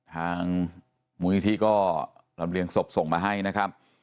ทางมูลนิธิก็ลำเรียงศพส่งมาให้นะครับ